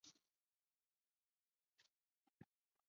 所谓双调序列。